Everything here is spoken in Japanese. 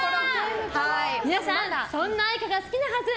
皆さん、そんな愛花が好きなはず。